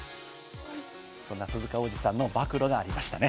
そんな鈴鹿央士さんの暴露がありましたね。